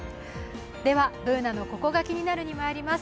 Ｂｏｏｎａの「ココがキニナル」にまいります。